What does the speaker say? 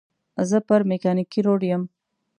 زه پر مېکانګي روډ یم.